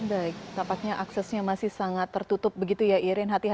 baik dapatnya aksesnya masih sangat tertutup begitu ya iren